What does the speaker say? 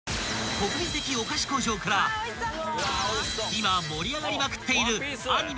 ［国民的お菓子工場から今盛り上がりまくっているアニメ